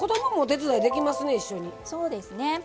そうですね。